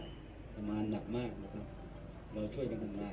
ทำงานหนักมากนะครับเราช่วยกันทำงาน